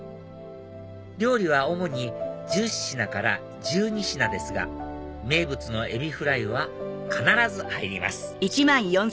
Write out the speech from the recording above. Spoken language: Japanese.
料理は主に１０品から１２品ですが名物のえびフライは必ず入ります